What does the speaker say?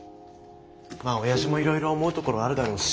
まあ親父もいろいろ思うところあるだろうし。